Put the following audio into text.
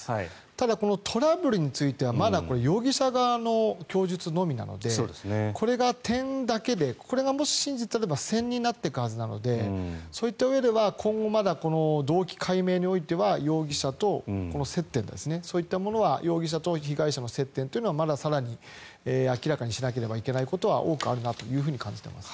ただ、このトラブルについてはまだ容疑者側の供述のみなのでこれが点だけでこれがもし真実であれば線になっていくはずなのでそういったうえでは今後まだ動機解明においては容疑者と、この接点ですねそういったものは容疑者と被害者との接点というのはまだ更に明らかにしなければいけないことは多くあるなと感じています。